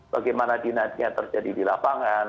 bagaimana dinaiknya terjadi di lapangan